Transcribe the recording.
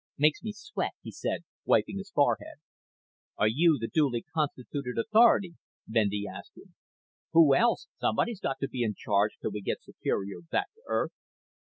"Makes me sweat," he said, wiping his forehead. "Are you the duly constituted authority?" Bendy asked him. "Who else? Somebody's got to be in charge till we get Superior back to Earth."